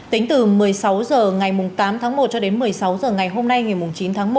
tính từ một mươi sáu h ngày tám tháng một cho đến một mươi sáu h ngày hôm nay ngày chín tháng một